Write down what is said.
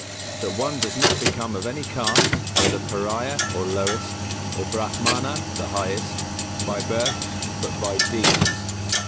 That one does not become of any caste, whether Pariah, the lowest, or Brāhmana the highest, by birth, but by deeds.